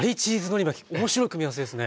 面白い組み合わせですね。